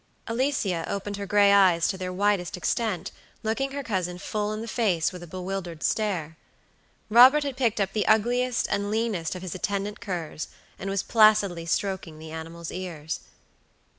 Alicia opened her gray eyes to their widest extent, looking her cousin full in the face with a bewildered stare. Robert had picked up the ugliest and leanest of his attendant curs, and was placidly stroking the animal's ears.